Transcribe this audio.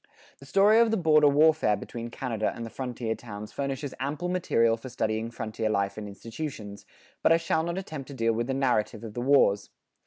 The story of the border warfare between Canada and the frontier towns furnishes ample material for studying frontier life and institutions; but I shall not attempt to deal with the narrative of the wars.